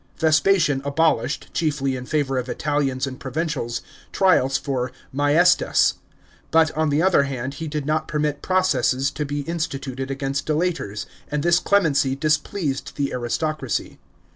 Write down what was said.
Vespasian abolished, chiefly in favour of Italians and provincials, trials for maiestas ; but, on the other hand, he did not permit processes to be instituted against delators, and this clemency displeased the aristocracy.